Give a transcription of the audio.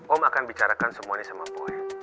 om akan bicarakan semua ini sama boe